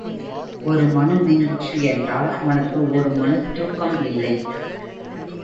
ஒரு மணு நீங்கிற்று என்றால் அவனுக்கு ஒரு மணுத் துக்கம் இல்லை.